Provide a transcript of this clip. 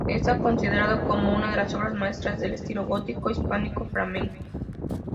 Está considerado como una de las obras maestras del estilo gótico hispano-flamenco.